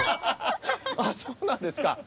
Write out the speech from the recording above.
ああそうなんですか。